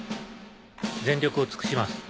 全力を尽くします。